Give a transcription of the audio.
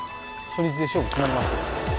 初日で勝負決まりますよ。